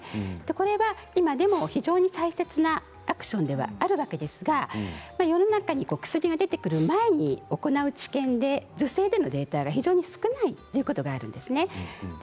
これは今でも非常に大切なアクションではあるわけですが世の中に薬が出てくる前に行う治験で女性でのデータが非常に少ないということもあるんですね。